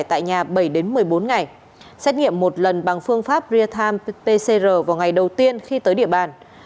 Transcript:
tại nhà bảy một mươi bốn ngày xét nghiệm một lần bằng phương pháp real time pcr vào ngày đầu tiên khi tới địa bàn